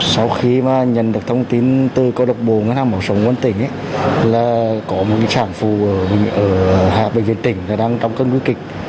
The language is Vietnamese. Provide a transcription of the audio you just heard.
sau khi mà nhận được thông tin từ câu lạc bộ ngân hàng máu sống quân tỉnh là có một sản phụ ở hạ bệnh viện tỉnh đang đóng cơn kịp kịch